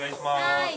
はい。